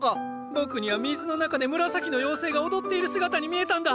僕には水の中で紫の妖精が踊っている姿に見えたんだ。